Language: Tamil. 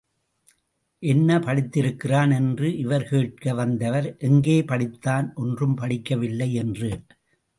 என்ன படித்திருக்கிறான்? —என்று இவர் கேட்க—வந்தவர் எங்கே படித்தான், ஒன்றும் படிக்கவில்லை என்று.